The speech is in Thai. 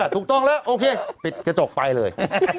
ถูกต้องแล้วโอเคปิดกระจกไปเลย